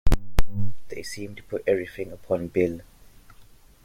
They seem to put everything upon Bill!